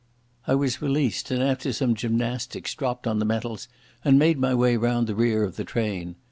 I was released, and after some gymnastics dropped on the metals and made my way round the rear of the train.